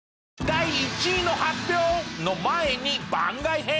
第１位の発表の前に番外編！